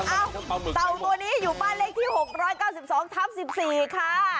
เอ้อเอ้อเอ้อเต่าตัวนี้อยู่บ้านเลขที่๖๙๒๑๔ค่ะ